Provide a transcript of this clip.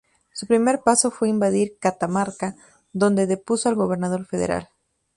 Su primer paso fue invadir Catamarca, donde depuso al gobernador federal.